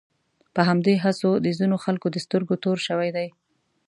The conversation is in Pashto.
په همدې هڅو د ځینو خلکو د سترګو تور شوی دی.